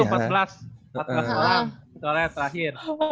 empat belas orang ke colet terakhir